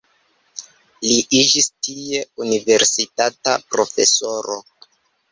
Li iĝis tie universitata profesoro.